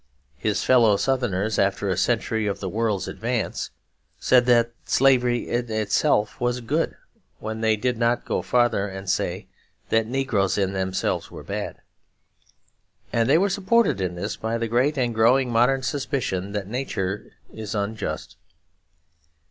His fellow Southerners, after a century of the world's advance, said that slavery in itself was good, when they did not go farther and say that negroes in themselves were bad. And they were supported in this by the great and growing modern suspicion that nature is unjust.